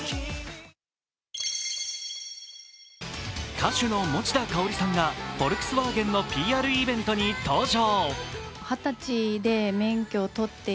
歌手の持田香織さんがフォルクスワーゲンのＰＲイベントに登場。